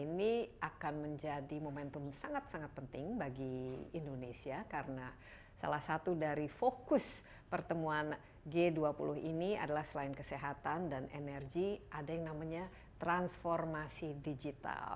ini akan menjadi momentum sangat sangat penting bagi indonesia karena salah satu dari fokus pertemuan g dua puluh ini adalah selain kesehatan dan energi ada yang namanya transformasi digital